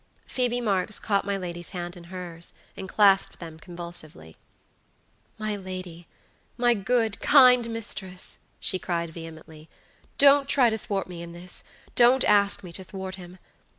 Phoebe Marks caught my lady's hand in hers, and clasped them convulsively. "My ladymy good, kind mistress!" she cried, vehemently, "don't try to thwart me in thisdon't ask me to thwart him.